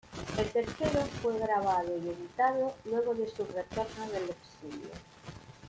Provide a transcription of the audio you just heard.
El tercero fue grabado y editado luego de su retorno del exilio.